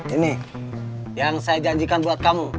ini yang saya janjikan buat kamu